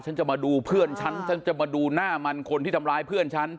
จะมาดูเพื่อนฉันฉันจะมาดูหน้ามันคนที่ทำร้ายเพื่อนฉัน